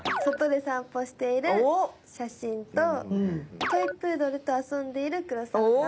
「外で散歩している写真」と「トイプードルと遊んでいる黒沢さん」。